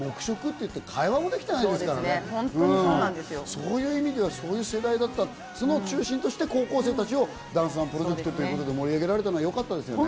そういう意味ではそういう世代だったその中心として高校生たちをダンスＯＮＥプロジェクトってことで盛り上げられたのはよかったですよね。